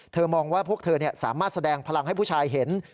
มองว่าพวกเธอสามารถแสดงพลังให้ผู้ชายเห็น